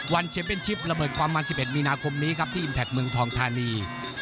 เชมเป็นชิประเบิดความมัน๑๑มีนาคมนี้ครับที่อิมแพคเมืองทองธานี